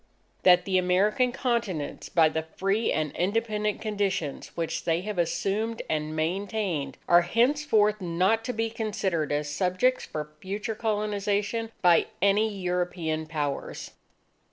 _ _That the American continents, by the free and independent conditions which they have assumed and maintained, are henceforth not to be considered as subjects for future colonization by any European Powers....